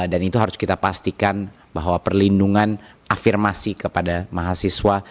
itu harus kita pastikan bahwa perlindungan afirmasi kepada mahasiswa